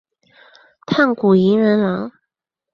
炭谷银仁朗。